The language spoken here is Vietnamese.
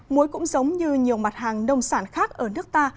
muối cũng giống như nhiều mặt hàng nông sản khác ở nước ta